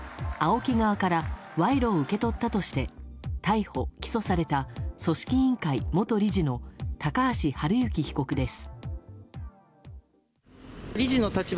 ＡＯＫＩ側から賄賂を受け取ったとして逮捕・起訴された組織委員会元理事の高橋治之被告です。